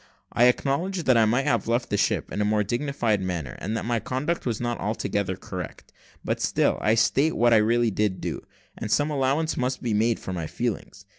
I acknowledge that I might have left the ship in a more dignified manner, and that my conduct was not altogether correct; but still, I state what I really did do, and some allowance must be made for my feelings.